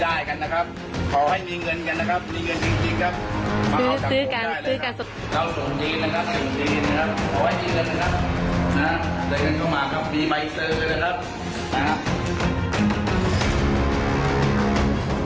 เราส่งจริงนะครับขอให้จริงนะครับเดินเข้ามามีใบเสือนเลยนะครับ